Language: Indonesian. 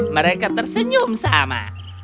mereka tersenyum sama